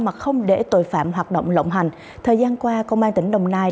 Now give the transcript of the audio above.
mà không để tội phạm hoạt động lộng hành thời gian qua công an tỉnh đồng nai